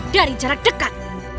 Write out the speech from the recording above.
dari jarak dekat